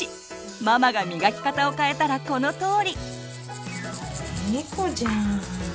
ママがみがき方を変えたらこのとおり。